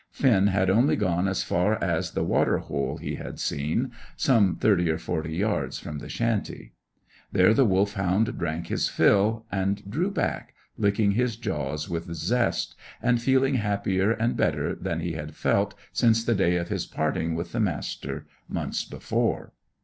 Finn had only gone as far as the water hole he had seen, some thirty or forty yards from the shanty. There the Wolfhound drank his fill, and drew back, licking his jaws with zest, and feeling happier and better than he had felt since the day of his parting with the Master, months before.